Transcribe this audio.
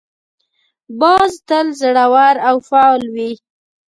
باز تل زړور او فعال وي